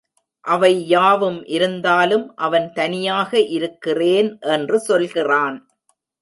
அவை யாவும் இருந்தாலும் அவன் தனியாக இருக்கிறேன் என்று சொல்கிறான்.